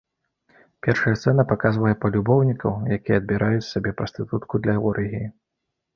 Першая сцэна паказвае палюбоўнікаў, якія адбіраюць сабе прастытутку для оргіі.